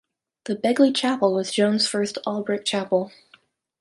The Begley Chapel was Jones' first all-brick chapel.